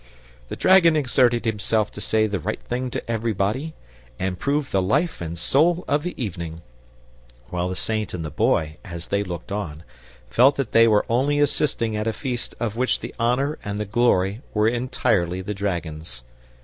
The dragon exerted himself to say the right thing to everybody, and proved the life and soul of the evening; while the Saint and the Boy, as they looked on, felt that they were only assisting at a feast of which the honour and the glory were entirely the dragon's.